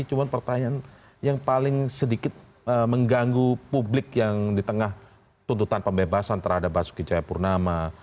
cuma pertanyaan yang paling sedikit mengganggu publik yang di tengah tuntutan pembebasan terhadap basuki cahayapurnama